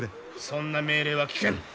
そんな命令は聞けぬ。